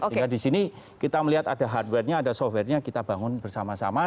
sehingga di sini kita melihat ada hardware nya ada software nya kita bangun bersama sama